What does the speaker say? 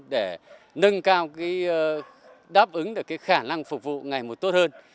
để nâng cao đáp ứng được khả năng phục vụ ngày một tốt hơn